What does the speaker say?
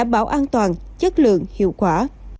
bảo an toàn chất lượng hiệu quả